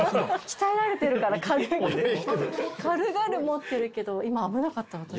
鍛えられてるから軽々持ってるけど今危なかった私。